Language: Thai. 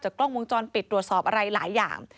กล้องวงจรปิดตรวจสอบอะไรหลายอย่าง